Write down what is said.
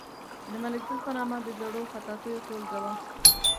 د ملک دل په نامه د زړو خطاطیو ټولګه وه.